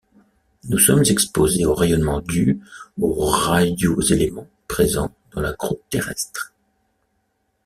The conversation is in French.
Nous sommes exposés aux rayonnements dus aux radioéléments présents dans la croûte terrestre.